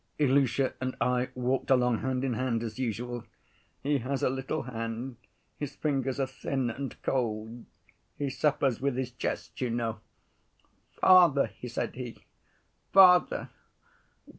Ilusha and I walked along hand in hand as usual. He has a little hand, his fingers are thin and cold—he suffers with his chest, you know. 'Father,' said he, 'father!